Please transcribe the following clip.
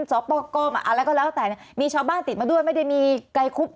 สอบประกอบอะไรก็แล้วแต่มีชาวบ้านติดมาด้วยไม่ได้มีไกลคุบ